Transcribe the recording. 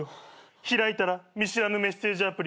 開いたら見知らぬメッセージアプリ。